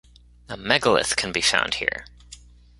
A Megalith can be found here.